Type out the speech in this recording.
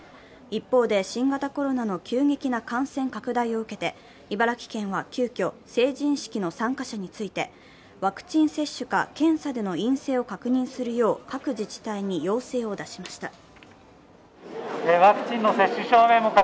一方で、新型コロナの急激な感染拡大を受けて茨城県は急きょ根も成人式の参加者について、陰性証明か検査での陰性を確認するよう各自治体に要請を出しました。